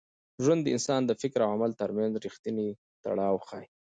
ژوند د انسان د فکر او عمل تر منځ رښتینی تړاو ښيي.